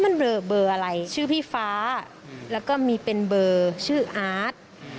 มันเบลอเบอร์อะไรชื่อพี่ฟ้าแล้วก็มีเป็นเบอร์ชื่ออาร์ต